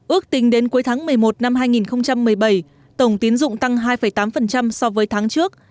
ước tính đến cuối tháng một mươi một năm hai nghìn một mươi bảy tổng tiến dụng tăng hai tám so với tháng trước